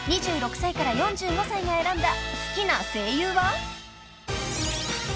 ［２６歳から４５歳が選んだ好きな声優は］